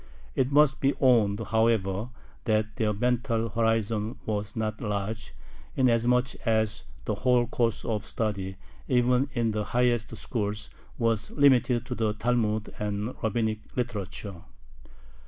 It must be owned, however, that their mental horizon was not large, inasmuch as the whole course of study, even in the highest schools, was limited to the Talmud and rabbinic literature.